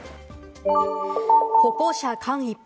歩行者間一髪。